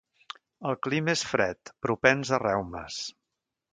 El clima és fred, propens a reumes.